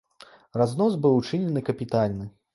Разнос быў учынены капітальны.